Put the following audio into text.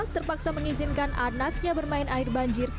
terpaksa mengizinkan anaknya bermain air banjir